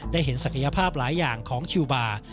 ได้เห็นศักยภาพหลายอย่างของคิวบาร์